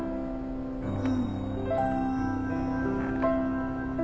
うん。